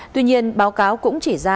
tuy nhiên báo cáo cũng chỉ ra